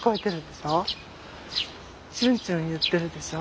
ちゅんちゅん言ってるでしょ。